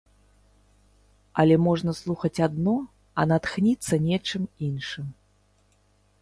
Але можна слухаць адно, а натхніцца нечым іншым.